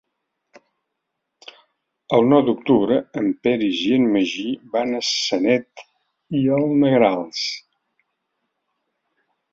El nou d'octubre en Peris i en Magí van a Sanet i els Negrals.